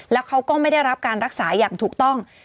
แล้วเขาก็ไม่ได้รับการรักษาอย่างถูกต้อง